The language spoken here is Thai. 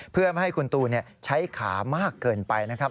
เพื่อไม่ให้คุณตูนใช้ขามากเกินไปนะครับ